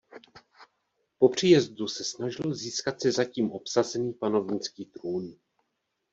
Po příjezdu se snažil získat si zatím obsazený panovnický trůn.